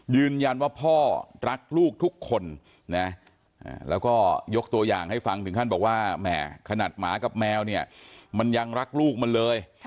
พ่อรักลูกทุกคนนะแล้วก็ยกตัวอย่างให้ฟังถึงขั้นบอกว่าแหมขนาดหมากับแมวเนี่ยมันยังรักลูกมันเลย